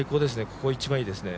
ここ一番いいですね。